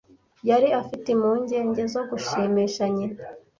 Yari afite impungenge zo gushimisha nyina.